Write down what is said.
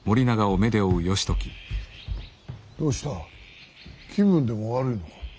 どうした気分でも悪いのか。